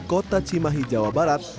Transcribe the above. kota cimahi jawa barat